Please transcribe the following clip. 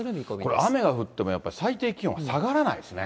これ、雨が降っても最低気温は下がらないですね。